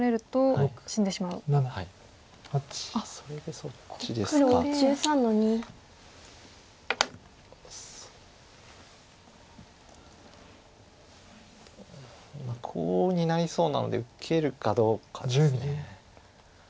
まあコウになりそうなので受けるかどうかです。